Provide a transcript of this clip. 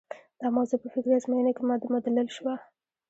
دا موضوع په فکري ازموینو کې مدلل شوه.